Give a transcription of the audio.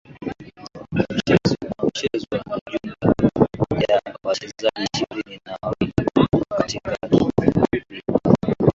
ni mchezo unaochezwa na jumla ya wachezaji ishirini na wawili katika timu mbili